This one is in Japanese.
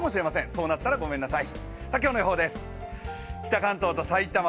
そうなったらごめんなさい。